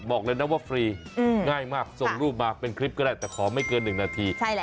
บอกเลยนะว่าง่ายมากส่งรูปมาเป็นคลิปก็ได้แต่ขอไม่เกินหนึ่งนาทีใช่แล้ว